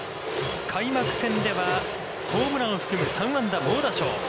開幕戦ではホームランを含む３安打猛打賞。